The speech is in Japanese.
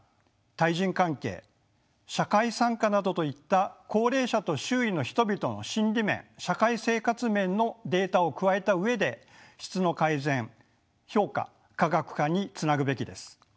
対人関係社会参加などといった高齢者と周囲の人々の心理面社会生活面のデータを加えた上で質の改善評価科学化につなぐべきです。